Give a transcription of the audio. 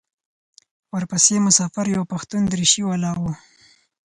ورپسې مسافر یو پښتون درېشي والا و.